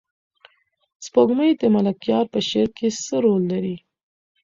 سپوږمۍ د ملکیار په شعر کې څه رول لري؟